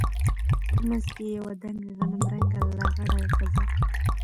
په منځ کښې يوه دنګه غنم رنګه لغړه ښځه.